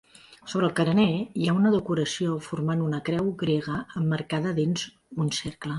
Sobre el carener hi ha una decoració formant una creu grega emmarcada dins un cercle.